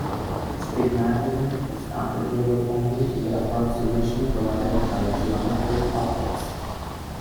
Stigmatism is applicable only in the approximation provided by geometric optics.